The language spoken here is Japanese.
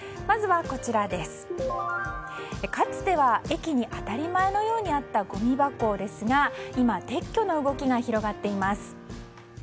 まずは、かつては駅に当たり前のようにあったごみ箱ですが今、撤去の動きが広まっています。